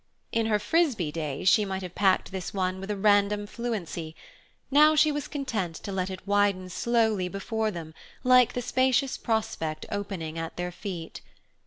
In her Frisbee days she might have packed this one with a random fluency; now she was content to let it widen slowly before them like the spacious prospect opening at their feet.